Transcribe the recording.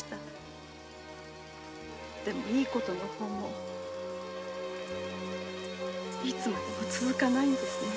でもいいことの方もいつまでも続かないんですね。